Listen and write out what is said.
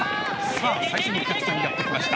さあ、最初のお客さんがやってきました。